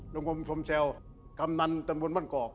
ดงคมสมเซลคำนันตรรวรรณกร